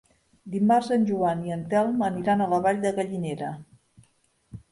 Dimarts en Joan i en Telm aniran a la Vall de Gallinera.